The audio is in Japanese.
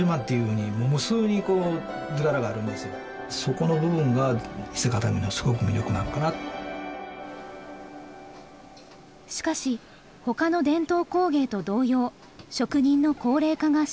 これすごくしかしほかの伝統工芸と同様職人の高齢化が深刻です。